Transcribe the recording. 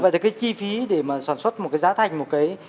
vậy thì cái chi phí để mà sản xuất một cái giá thành một cái